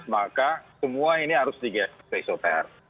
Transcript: maka semua ini harus di isoter